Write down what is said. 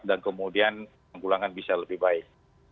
dan kemudian penggulangan bisa lebih baik